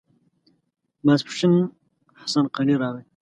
ماسپښين حسن قلي راغی.